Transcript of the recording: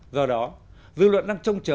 do đó dư luận đang trông trọng